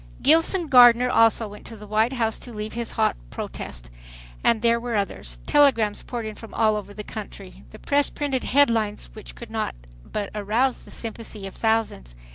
Gilson Gardner also went to the White House to leave his hot protest. And there were others. Telegrams poured in from all over the country. The press printed headlines which could not but arouse the sympathy of thousands.